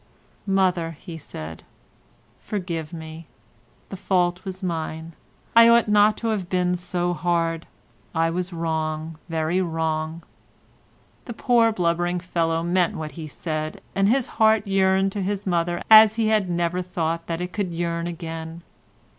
"Mother," he said, "forgive me—the fault was mine, I ought not to have been so hard; I was wrong, very wrong"; the poor blubbering fellow meant what he said, and his heart yearned to his mother as he had never thought that it could yearn again.